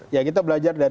ya kita belajar dari